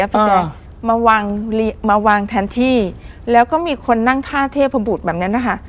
พี่แจกมาวางมาวางแทนที่แล้วก็มีคนนั่งท่าเทพบุตรแบบนั้นนะคะ